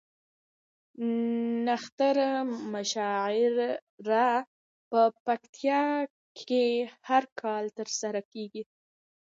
نښتر مشاعره په پکتيا کې هر کال ترسره کیږي